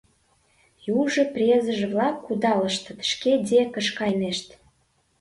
Южо презыже-влак кудалыштыт, шке декышт кайынешт.